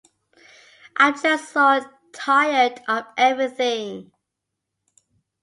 I'm just so tired of everything.